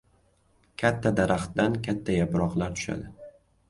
• Katta daraxtdan katta yaproqlar tushadi.